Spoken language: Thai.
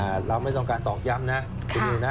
อ่าเราไม่ต้องการตอบย้ำนะคุณหนูนะ